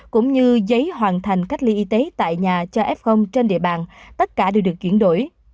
cũng như giấy hoàn thành cách ly y tế tại nhà cho f trên địa bàn tất cả đều được chuyển đổi